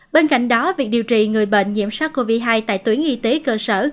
bên cạnh đó việc điều trị người bệnh nhiễm sắc covid một mươi chín tại tuyến y tế cơ sở